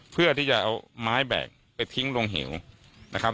เพื่อที่จะเอาไม้แบกไปทิ้งลงเหวนะครับ